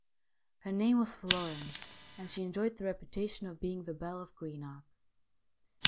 Her name was Florence, and she enjoyed the reputation of being the belle of Greenock.